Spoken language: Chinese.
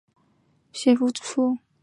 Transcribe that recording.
第十届全国政协副主席。